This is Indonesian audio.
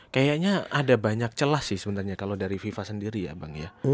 kayaknya ada banyak celah sih sebenarnya kalau dari fifa sendiri ya bang ya